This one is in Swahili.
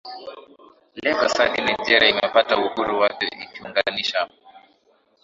Lagos hadi Nigeria imepata uhuru wake ikiunganisha